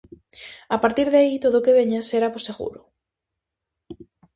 A partir de aí todo o que veña será bo seguro.